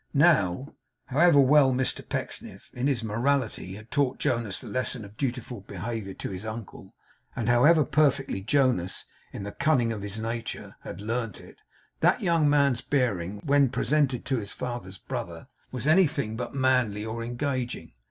Now, however well Mr Pecksniff, in his morality, had taught Jonas the lesson of dutiful behaviour to his uncle, and however perfectly Jonas, in the cunning of his nature, had learnt it, that young man's bearing, when presented to his father's brother, was anything but manly or engaging.